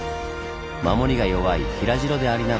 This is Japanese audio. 守りが弱い平城でありながら